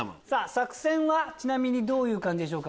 作戦はどういう感じでしょうか？